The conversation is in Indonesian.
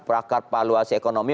pakar pahaluasi ekonomi